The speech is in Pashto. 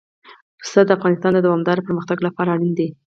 پسه د افغانستان د دوامداره پرمختګ لپاره اړین دي.